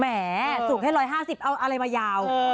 แหมสูบให้๑๕๐เอาอะไรมายาว